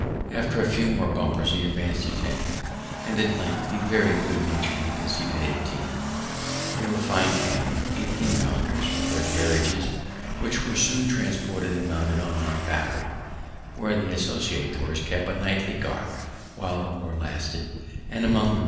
After a few more bumpers he advanc'd to ten; and at length he very good naturedly conceded eighteen. They were fine cannon, eighteen pounders, with their carriages, which we soon transported and mounted on our battery, where the associators kept a nightly guard while the war lasted, and among the rest I regularly took my turn of duty there as a common soldier.